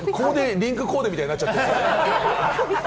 リンクコーデみたいになっちゃってる。